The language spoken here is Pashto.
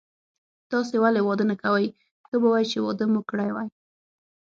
تاسي ولي واده نه کوئ، ښه به وای چي واده مو کړی وای.